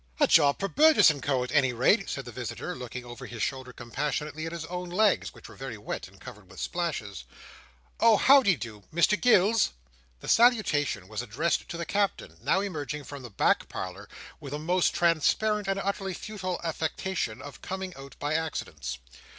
"A job for Burgess and Co. at any rate," said the visitor, looking over his shoulder compassionately at his own legs, which were very wet and covered with splashes. "Oh, how de do, Mr Gills?" The salutation was addressed to the Captain, now emerging from the back parlour with a most transparent and utterly futile affectation of coming out by accidence.